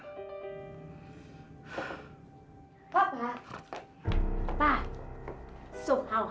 gimana cara ngasih tau ke orang orang rumah